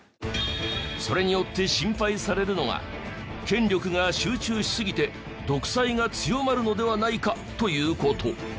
それによって心配されるのが権力が集中しすぎて独裁が強まるのではないか？という事。